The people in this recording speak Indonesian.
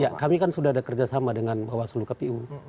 ya kami kan sudah ada kerjasama dengan bawaslu kpu